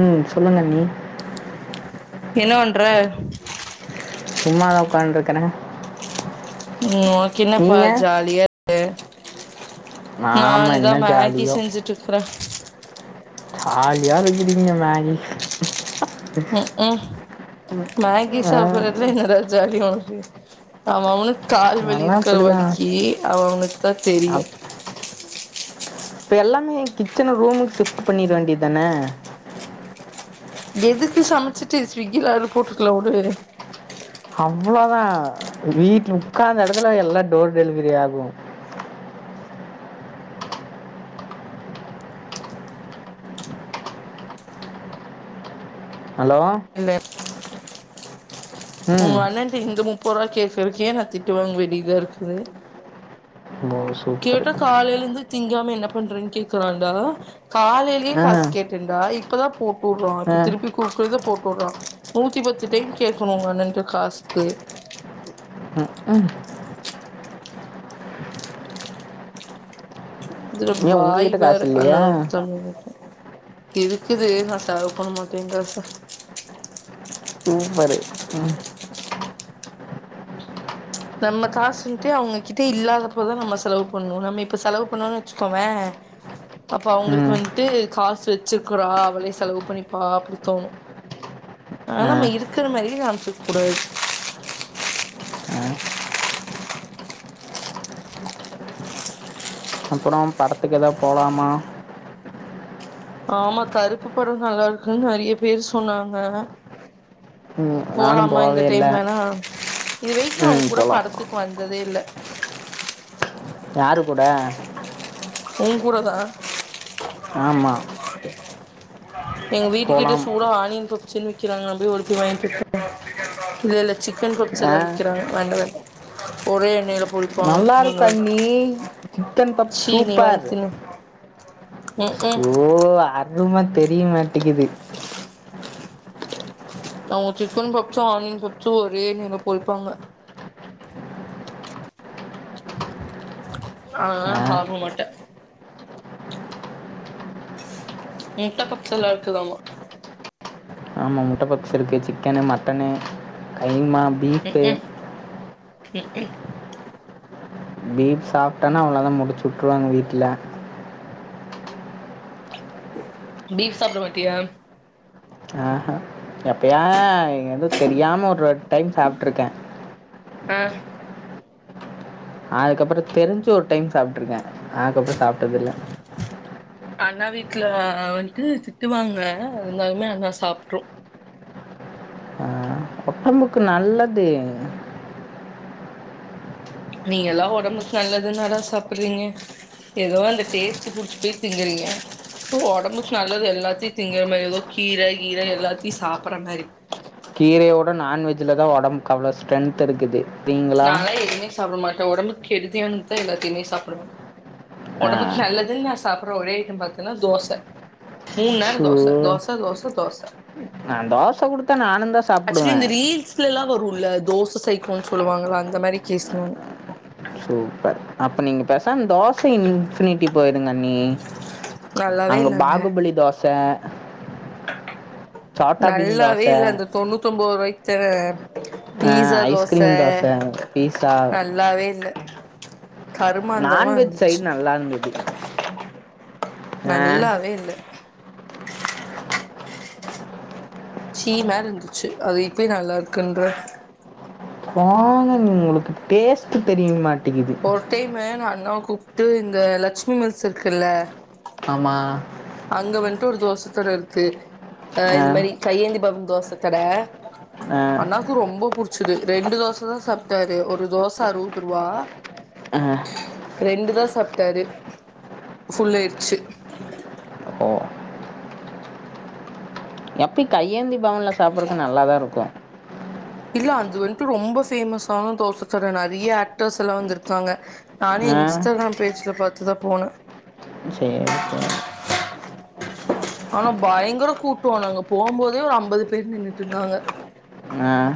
உஹம் சொல்லுங்க அண்ணி என்ன பண்ற சும்மா தான் உட்காந்து இருக்கிறேன் உம் உனக்கு என்னப்பா ஜாலி செரி நாம நான் என்ன இததான் மேகி ஜாலியோ செஞ்சுட்டு இருக்கறேன் ஜாலியா இருக்கிறீங்க மேகி உஹம் உம் மேகி சாப்பிடுறதுலாம் என்ன ஜாலி ஆமா ஆன நல்லா கால்வலிக்கிற வலிக்கு அப்படிதான் வலிக்கிற அவங்களுக்கு தான் தெரியும் இப்ப எல்லாமே கிச்சன் ரூமுக்கு ஷிப்ட்டு பண்ணிட வேண்டியதுதானே எதுக்கு சமைச்சிட்டு ஸவிக்கிலது போட்டுக்கலாம் வுடு அவ்வளோதான் வீட்டுல உட்கார்ந்த இடத்துல எல்லாம் டோர் டெலிவரி ஆகும் ஹலோ ம் உன் அண்ணன் ட நுப்பது ரூபாய் கேக்கறதுக்கே நான் திட்டுவாங்க வேண்டியதா இருக்குது ஓ சூப்பர் கேக்க காலையில இருந்து திங்காம என்ன பண்றேன்னு கேக்றான்கா காலையிலே ஆ காசு கேட்டுடான் இப்பதான் போ ஆ கூப்பிடுவாங்கதிருப்பி கூப்பிட்டு போட்டுறான் நூத்திபத்து டைம் கேட்கணும் உங்க அண்ணன்ட காசு கேட்குறதுக்கு இதுல ஏன் வாய் உங்ககிட்ட வேற காசு இல்லையா அண்ணனுக்கும் தம்பிகளுக்கும் இருக்குது நா செலவு பண்ண மாட்டேன்க்கா சூப்பரு உம் நம்ம காசுன்ட்டு அவங்கிட்டே இல்லாதப்பதா நம்ப செலவு பண்ணனும் நம்ப இப்ப செலவு பண்ணோனு வச்சுக்கோவேன் அப்போ அவுங்களுக்கு ம் வந்துட்டு காசு வச்சிருக்குறா அவளே செலவு பண்ணிப்பா அப்டி தோணு ஆனா ஆ நம்ம இருக்குற மாரியே காம்சிக்க கூடாது ஆ அப்புறம் படத்துக்கு எதா போலாமா ஆமா கருப்பு படம் நல்லா இருக்குன் நறியா பேரு சொன்னாங்க ம் நானு போலாமா இந்த போவே இல்ல டைம் வேனா இதுவரைக்கு நா ம் உன்கூட போலா படத்துக்கு வந்ததே இல்ல யாரு கூட உன்கூடதா ஆமா எங்க வீட்டுக்கிட்ட போலாம் சூட ஆணியன் ப சில்மிக்கிறாங்க நா போயி ஓடி போயி வாங்கிட்டு இல்ல இல்ல சிக்கன் பப்ஸ்சு ஆ எல்லா விக்கிறாங்க வாங்கிட்டு வந்த ஒரே எண்ணைல நல்லா இருக்கும் அண்ணி சிக்கன் பப் சீ நீ வாங்கி சூப்பர் தின்னு ம் ம் சோ அர் அரும தெரிய மாட்டிக்குது அவுங்க சிக்கன் பப்சும் ஆணியன் பப்சும் ஒரே எண்ணைல பொரிப்பாங்க அதல்லா ஆ சாப்டமாட்டே முட்ட பப்சுல இருக்குதாமா ஆமா முட்ட பப்ஸ்சு இருக்கு சிக்கனு மட்டனு கைமா பீஃப்பு க்கும் பீப் சாப்டனா அவ்ளோதா முடிச்சு உட்டுருவாங்க வீட்ல பீப் சாப்ட மாட்டியா ஆஹ எப்பயா எது தெரியாம ஒரு ஒரு டைம் சாப்ட்ருக்கே ஆ அதுக்கப்பற தெரிஞ்சு ஒரு டைம் சாப்ட்ருக்கே அதுக்கப்பற சாப்ட்டது இல்ல அண்ணா வீட்டல வண்ட்டு திட்டுவாங்க இருந்தாலுமே அண்ணா சாப்ட்ரு ஆ ஒடம்புக்கு நல்லது நீங்கல்லா ஒடம்புக்கு நல்லதுனாதா சாப்டிறீங்க ஏதோ அந்த டேஸ்ட்டு புடிச்சு திங்கறீங்க ஒடம்புக்கு நல்லது எல்லாத்தையு திங்கற மாரி ஏதோ கீர கீர எல்லாத்தையு சாப்பற மாரி கீரையோட நான்வெஜ்ல தா ஒடம்புக்கு அவ்ளோ ஸ்ட்ரென்த் இருக்குது சரிங்களா நால எதுவுமே சாப்ட மாட் நா ஒடம்புக்கு கெடுதியான்தா எல்லாத்தையுமே சாப்டுவே ஆ ஒடம்புக்கு நல்லதுனு நா சாப்ற ஒரே ஐட்டம் பாத்தீனா தோச மூணு நேர தோச தோஸ் ப்ப தோச தோச நான் தோச குடுத்தா நானுந்தா சாப்புடுவேன் தோசைஸ சைக்கோ சொல்லுவாங்கள அந்த மாரி கேஸ் நானு சூப்பர் அப்ப நீங்க பேசாமா தோசை இன்பினிட்டி போயி ங்கண்ணி நல்லாவே அங்க இல்லங்க பாகுபலி தோசை பீம் தோச நல்லாவே இல்ல அந்த தொண்ணூத் ஒன்பது ரூபாய் வித்த ஆஹ் ஐஸ்கிரீம் தோசை பீஸா நல்லாவே [inaudible] நான்வெஜ் இருந்துச்சு சைடு நல்லா இருந்தது ஆ நல்லாவே இல்லை சீ மாரி இருந்துச்சு அது இப்பயே நல்லா இருக்குன்ற போங்க உங்களுக்கு டேஸ்ட் தெரியுமாட் ஒரு டைம் வேணும்னா அண்ணா கூப்பிட்டு இந்த லக்சுமி மெஸ் இருக்குல்ல ஆமா அங்க வந்துட்டு ஒரு தோசை கட இருக்கு ஆஹ் ஆ இந்த மாரி கையேந்தி பவன் தோசை ஒருதடை ஆ அண்ணாக்கு ரொம்ப புடிச்ச படிச்சது ரெண்டு தோசை தான் சாப்பிட்டாரு ஒரு தோசை அறுபது ரூவா ஆஹ் ரெண்டு தான் சாப்பிட்டாரு புஃல்லாயிடுச்சு ஓ எப்படி கையேந்தி பவன்ல சாப்பிடறக்கு நல்லாதான் இருக்கும் இல்ல அது வந்துட்டு ரொம்ப பேமஸ் ஆன தோசை கடை நிறைய ஆக்டர்ஸ் எல்லாம் வந்திருக்காங்க நானே ஆ இன்ஸ்டாகிராம் பேஜ்ல பாத்துதான் போனேன் சேரி சேரி ஆனா பயங்கர கூட்டோம் நாங்க போகும் போதே ஒரு அம்பது பேர் நின்னுட்டு இருந்தாங்க ஆஹ்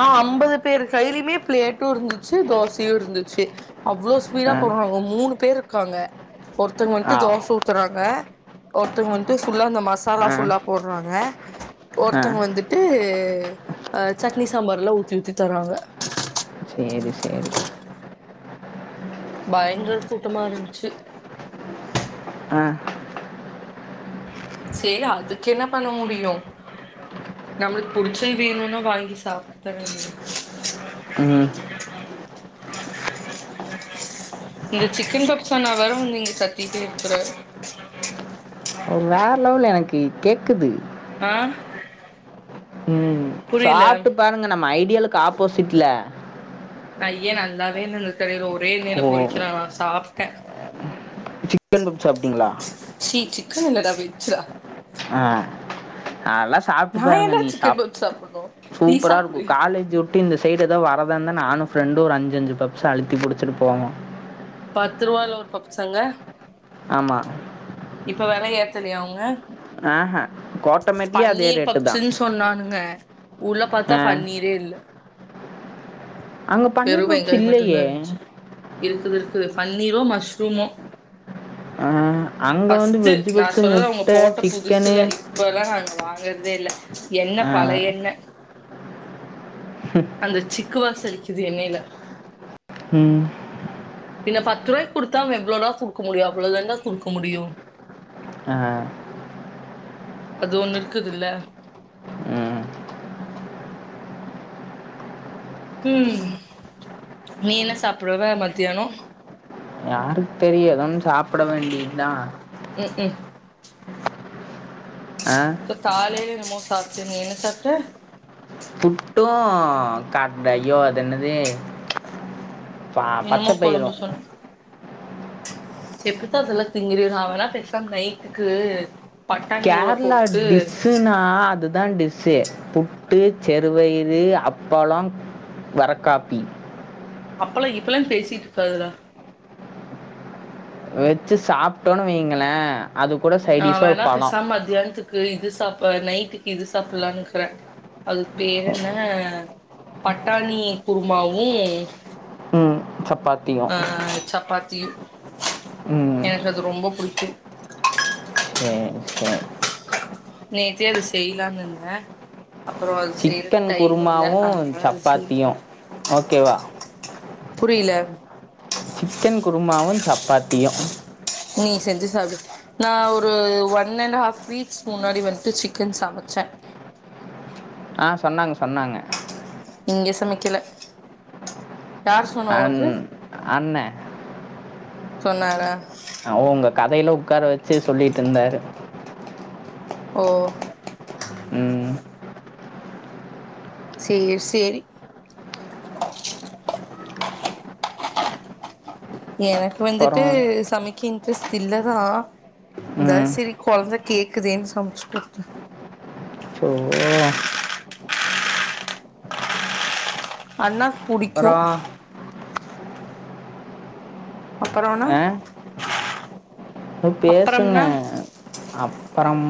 ஆ ஐம்பது பேரு கையிலயுமே பிளேட்டும் இருந்துச்சு தோசையும் இருந்துச்சு அவ்வளோ ஸ்பீடா ஆ போடுறாங்க மூணு பேர் இருக்காங்க ஒருத்தங்க வந்துட்டு ஆ தோசை ஊத்துறாங்க ஒருத்தங்க வந்துட்டு ஃபுல்லா இந்த மசாலா ஆ ஃபுல்லா போடுறாங்க ஆ ஒருத்தங்க வந்துட்டு அஹ சட் இட்லி சாம்பார் எல்லா ஊத்தி ஊத்தி தராங்க சரி சரி பயங்கர கூட்டமா இருந்துச்சு ஆ சேரி அதுக்கு என்ன பண்ண முடியும் நம்மக்கு புடிச்சது வேணும்னா வாங்கி சாப்ப தற ம் இங்க சிக்கன் பப்ஸான வேற இங்க கத்திடே இருக்காரு வேற லெவல் எனக்கு கேட்குது ஆஹ ம் சாப்ட்டு பாருங்க நம்ம ஐடியலுக்கு ஆப்போசிட்ல ஐயே நல்லாவே இல்ல [unintelligible] அதே எண்ணைல ஓ பொரிக்கிறாங்களா சாப் க சிக்கன் பப்ஸ் சாப்ட்டீங்களா க்குனு இல்லடா அப்டி இந்த்ச்சுடா ஆ அதல்லா சாப்ட்டு நா பாருங்க ஏன்டா நீ சிக்கன் சாப் பப்ஸ் சாப்புட்ணு நீ சூப்பரா இருக்கு சாப்புடு காலேஜு ஒ ட்டி இந்த சைடு எதா வரதா இருந்தா நானும் ஃப்ரெண்டு ஒரு அஞ்சஞ்சு பப்ஸு அழுத்தி புடிச்சிட்டு போவோ பத்து ரூவா இல்ல ஒரு பப்ஸ் அங்க? ஆமா இப்ப வெல ஏத்தலையா அவங்க? ஆஹே கோட்டமேட்லயு அதே பன்னீர் ரேட்டுதா பப்ஸுன்னு சொன்னானுங்க உள்ள பாத்தா பன்னீரே இல்ல அங்க வெறு பன்னீர் பப்ஸ் வெங்காயோ மட்டுந்தா இல்லயே இருந்துச்சு இருக்குது இருக்குது பன்னீரோ மஷ்ரூமோ ஆ அங்க வந்து ஃபஸ்ட்டு வெஜ் நா பப்ஸு சொல்றது அவங்க முட்டை போட்ட சிக்கனு புதுசுல இப்ப எல்லா நா அங்க வாங் கறதே இல்ல எண்ணெ ஆ பழைய எண்ணெ அந்த சிக் கு வாசோ அடிக் கிது எண்ணைல ம் பின்ன பத்து ரூவாய்க்கு குடுத்தா அவ எவ்ளோடா குடுக்க முடியு அவ்ளோதாண்டா குடுக்க முடியு ஆ அது ஒண்ணு இருக்குதில்ல ம் ம் நீ என்ன சாப்புடுவ மத்தியானோ? யாருக்கு தெரியு? எதோன்னு சாப்பட வேண்டியதுதா ம் ம் இப்ப காலைல என்னமோ சாப்ட்ட நீ என்ன சாப்ட்ட? ட்டு கட்டயோ அதென்னது பா நீ என்னமோ பச்சப்பயிரு கொழம்பு சொன்ன எப்டித்தா அதெல்லா திங்கிரியோ நா வேனா பேசாம நைட்டுக்கு பட்டாணி ஊற கேரளா போட்டுட்டு டிஸ்ஸுன்னா அதுதா டிஸ்ஸு புட் டு செறுபயறு அப்பளோ வர காப்பி அப்பள கிப்பளன்னு பேசிட்டு இருக்காதடா வச்சு சாப்ட்டோன்னு வைங்களே அது கூட சைடீஸா ஒரு பழோ க்கு இது சாப்ப நைட்டுக்கு இது சாப்பில்லானுக்கிறே அதுக்கு பேரு என்ன பட்டாணி குருமாவு சப் ஆ சப்பாத்தியு ம் எனக்கு அது ரொம்ப புடிக் [inaudible] சே சே நேத்தே அது செய்யலானு இருந்தே அப்புறோ அது செய்யறக்கு சிக்கன் டைம் இல்ல குருமாவு அதனால அது செய்யல சப்பாத்தியு ஓகேவா புரியல சிக்கன் குருமாவு சப்பாத்தியு நீ செஞ்சு சாப்டு நா ஒரு ஒன் அண்ட் ஹாஃப் வீக்ஸ் முன்னாடி வந்துட்டு சிக்கன் சமைச்சே ஆ சொன்னாங்க சொன்னாங்க இங்க சமைக்கல யார் சொன்னா அன் உனக்கு அண்ணே சொன்னாரா ஒங்க கதையில உக்கார வச்சு சொல்லிட்ருந்தாரு ஓ ம் சேரி சேரி எனக்கு வந்துட்டு அப்புறம் சமைக்கிங் டேஸ்ட் இல்லதா இருந்தாலு ம் சரி கொழந்த கேக்குதேனு சமைச்சு குடுத்தே ஸோ அன்னா புடிக்கு அப்புறம் அப்பறோனா உ பேசுங்க அப்பறம்னா அப் அப்பரம்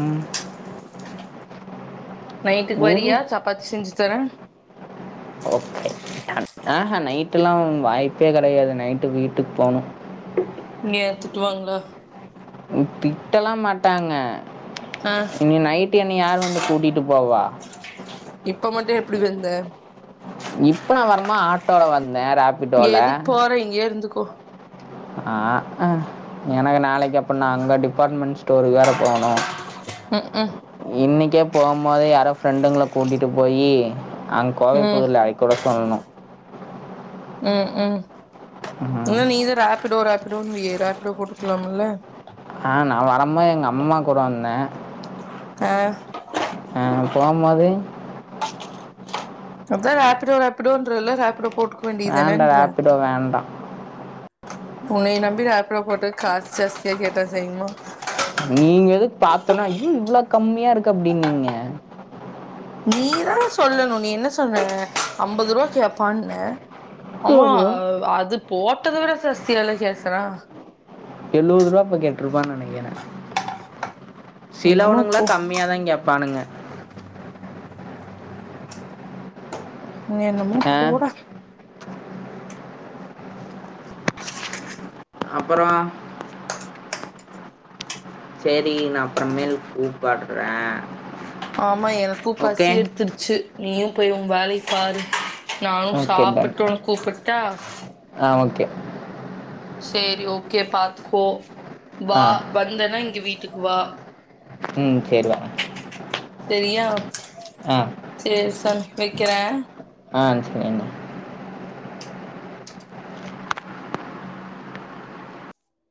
நைட்டுக்கு ஒரு வரியா சப்பாத்தி செஞ்சு தரே ஓகே டன் ஆஹா நைட்டுலா வாய்ப்பே கெடையாது நைட்டு வீட்டுக்கு போணு ங்க திட்டுவாங்ளா ம் திட்டல்லா மாட்டாங்க ஆ இங்க நைட்டு என்ன யாரு வந்து கூட்டிட்டு போவா? இப்ப மட்டு எப்டி வெந்த இப்ப நா வரும் ம ஆட்டோடல வந் நேர ஆப்பிட்டோல ஒ ஆ அ எனக்கு நாளைக்கு அப்ப நா அங்க டிபார்ட்மென்ட் ஸ்டோருகு வேற போவணு ம் ம் இன்னைக்கே போவும்போதே யாரோ ஃப்ரெண்டுங்கள கூட்டிட்டு போயி அங் கோவை ம் புதூல [unintelligible] சொல்ணு ம் ம் ம். இல்ல நீதா ரேப்பிடோ ரேப்பிடோன்னுவியே ரேப்பிடோ போட்ருக்கலாமுல்ல ஆ நா வரம்மோ எங்கம்மா கூட வந்தே ஆ ஆ போம்மோது அதா ரேப்பிடோ ரேப்பிடோன்றல்ல ரேப்பிடோ போட்டுக்க வேண்டா ரேப்பிடோ வேண்டா ஒன்னைய நம்பி ரேப்பிடோ போட்டதுக் காசு ஜாஸ்தியா கேட்டா செய்யும்மா நீங்க எதுக் பாத்தோனா ஐயோ இவ்ள கம்மியா இருக்கு அப்டின்னீங்க நீதா சொல்லணு நீ என்ன சொன்ன அம்பது ருவா கேப்பான்ன ஆமா அது போட்டது விட ஜாஸ்தியல்ல கேக்குரா எழுவது ருவா அப்ப கேட்ருப்பான் நெனக்கிறே என்னமோ சிலவுனுங்ளா போ கம்மியாதா கேப்பானுங்க என்னமோ ஆ போடா அப்பறோ சேரி நா அப்பறமேல் கூப்பட்றே ஆமா எனக்கு பசி எடுத்துருச்சு நீயு போய் உ வேலைய பாரு நானு ஓகே டன் சாப்புட்டு ஒனக் கூப்புட் டா ஆ ஓகே சேரி ஓகே பாத்துக்கோ வா ஆ வந்தன்னா இங்க வீட்டுக்கு வா ம் சேரி வரே சரியா சேரி சன் வைக்கிறே ஆ சேரி டா